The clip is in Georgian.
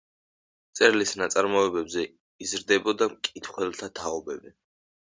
მწერლის ნაწარმოებებზე იზრდებოდა მკითხველთა თაობები.